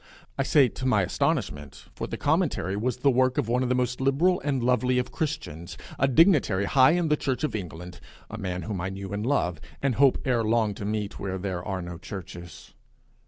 I say, to my astonishment, for the commentary was the work of one of the most liberal and lovely of Christians, a dignitary high in the church of England, a man whom I knew and love, and hope ere long to meet where there are no churches.